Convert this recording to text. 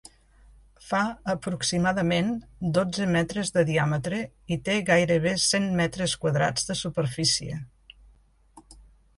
Fa, aproximadament, dotze metres de diàmetre i té gairebé cent metres quadrats de superfície.